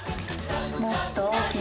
もっと大きな。